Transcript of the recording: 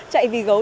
chạy vì gấu